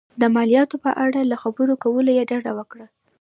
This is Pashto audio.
د مالیاتو په اړه له خبرو کولو یې ډډه وکړه.